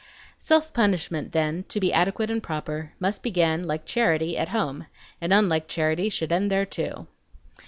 Self punishment, then, to be adequate and proper, must begin, like charity, at home, and unlike charity should end there too.